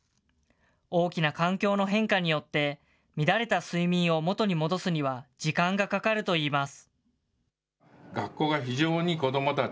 大きな環境の変化によって、乱れた睡眠を元に戻すには時間がかかるといいます。